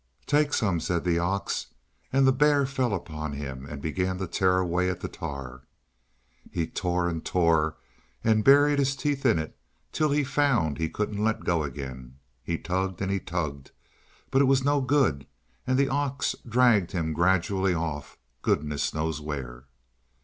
"Take some," said the ox, and the bear fell upon him and began to tear away at the tar. He tore and tore, and buried his teeth in it till he found he couldn't let go again. He tugged and he tugged, but it was no good, and the ox dragged him gradually off, goodness knows where.